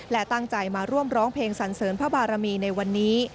และตั้งใจมาร่วมร้องเพลงสันเสริญพระบารมีในวันนี้